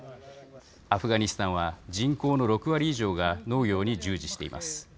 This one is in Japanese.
アフガニスタンは、人口の６割以上が農業に従事しています。